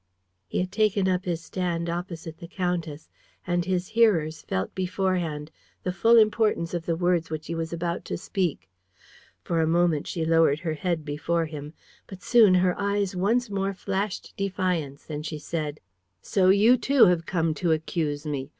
He had taken up his stand opposite the countess; and his hearers felt beforehand the full importance of the words which he was about to speak. For a moment, she lowered her head before him. But soon her eyes once more flashed defiance; and she said: "So you, too, have come to accuse me?